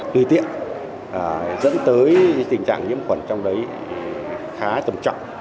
tùy tiện dẫn tới tình trạng nhiễm khuẩn trong đấy khá tầm trọng